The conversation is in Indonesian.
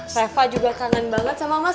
reva juga kangen banget sama mas